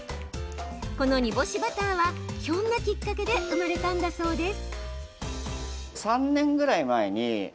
この煮干しバターは、ひょんなきっかけで生まれたんだそうです。